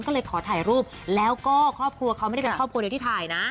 ก็เลยขอถ่ายรูปแล้วก็ครอบครัวเขาไม่ได้เป็นครอบครัวเดียวที่ถ่ายนะ